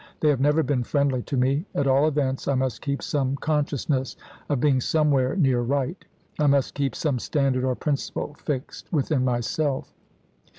They have never been friendly to me. At all events, I must keep some conscious ness of being somewhere near right. I must keep i)ia"y. some standard or principle fixed within myself."